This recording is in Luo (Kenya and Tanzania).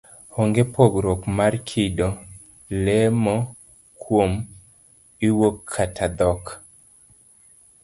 Onge' pogruok mar kido, lemo, kuma iwuoke kata dhok.